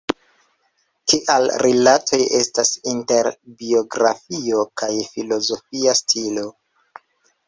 Kiaj rilatoj estas inter biografio kaj filozofia stilo?